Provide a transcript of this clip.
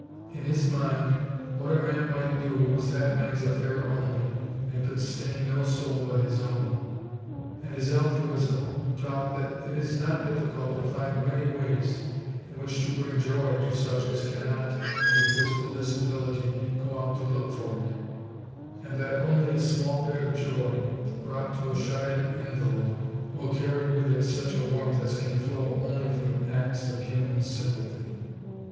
In his mind, what a man might do was that man's affair only and could stain no Soul but his own. And his altruism taught that it is not difficult to find many ways in which to bring joy to such as cannot, through physical disability, go out to look for it; and that only a small bit of joy, brought to a shut in invalid will carry with it such a warmth as can flow only from acts of human sympathy.